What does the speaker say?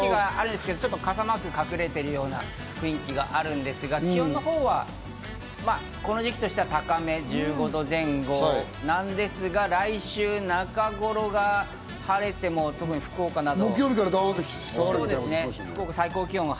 傘マークが隠れているような雰囲気があるんですが、気温はこの時期としては高め、１５度前後なんですが、来週中頃が晴れても特に福岡など。